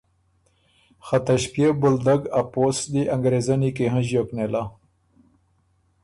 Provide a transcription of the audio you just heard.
خه ته ݭپيېو بولدک ا پوسټ دی انګرېزنی کی هنݫیوک نېله۔